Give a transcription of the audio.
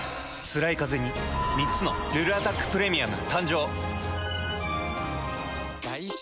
つらいカゼに３つの「ルルアタックプレミアム」誕生。